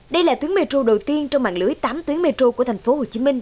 đây là tuyến metro đầu tiên trong mạng lưới tám tuyến metro của thành phố hồ chí minh